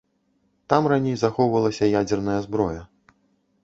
Там раней захоўвалася ядзерная зброя.